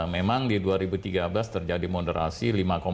memang di dua ribu tiga belas terjadi moderasi lima empat